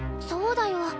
そうだよ。